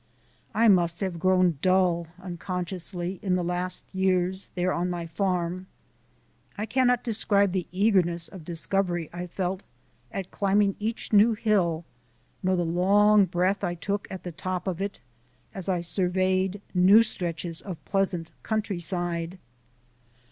I must have grown dull, unconsciously, in the last years there on my farm. I cannot describe the eagerness of discovery I felt at climbing each new hill, nor the long breath I took at the top of it as I surveyed new stretches of pleasant countryside.